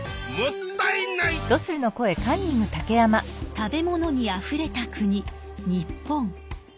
食べ物にあふれた国日本。